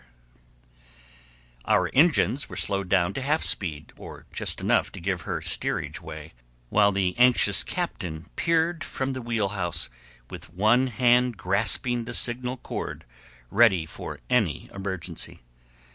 [Illustration: FOG ON THE BAY] Our engines were slowed down to half speed, or just enough to give her steerage way, while the anxious captain peered from the wheelhouse with one hand grasping the signal cord, ready for any emergency.